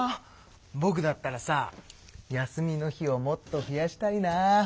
ぼくだったらさ休みの日をもっと増やしたいな。